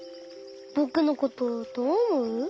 ぼくのことどうおもう？